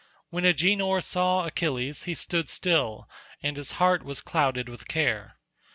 When Agenor saw Achilles he stood still and his heart was clouded with care.